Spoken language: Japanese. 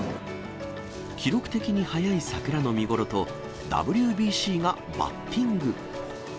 記録的に早い桜の見頃と、ＷＢＣがバッティング。